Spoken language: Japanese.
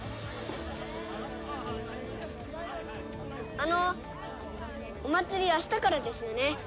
あのお祭り明日からですよね？